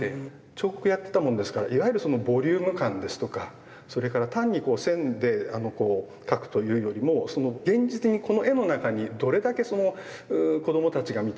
彫刻やってたもんですからいわゆるそのボリューム感ですとかそれから単に線でこう描くというよりも現実にこの絵の中にどれだけ子どもたちが見てですね